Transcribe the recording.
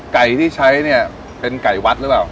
ไก่ที่ใช้เนี่ยเป็นไก่วัดหรือเปล่า